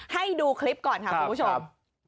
ให้ดูคลิปก่อนค่ะคุณผู้ชม